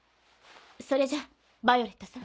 それじゃヴァイオレットさん。